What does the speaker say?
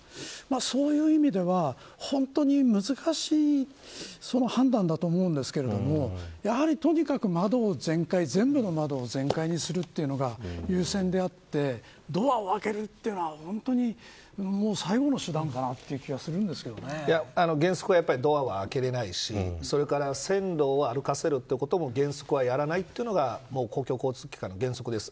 そういう意味では本当に難しい判断だと思うんですけどやはり、とにかく窓を全部の窓を全開にするというのが優勢であってドアを開けるというのは最後の手段かなという原則はやっぱりドアを開けられないしそれから、線路を歩かせることも原則はやらないというのが公共交通機関の原則です。